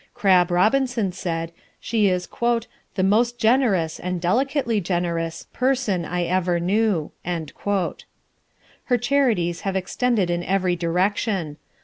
Crabb Robinson said, she is "the most generous, and delicately generous, person I ever knew." Her charities have extended in every direction.